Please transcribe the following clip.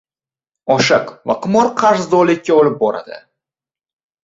• Oshiq va qimor qarzdorlikka olib boradi.